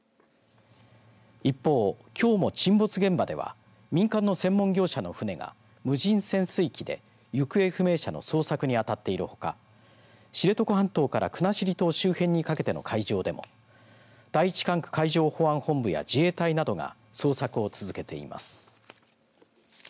一方、きょうも沈没現場では民間の専門業者の船が無人潜水機で行方不明者の捜索に当たっているほか知床半島から国後島周辺にかけての海上でも第１管区海上保安本部や自衛隊などが捜索を続けています。